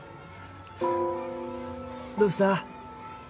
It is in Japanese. どうした？